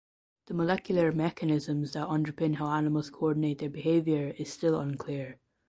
The molecular mechanisms that underpin how animals coordinate their behaviour is still unclear.